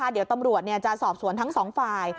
เดี๋ยวตำรวจจะสอบสวนทั้งสองฝ่าย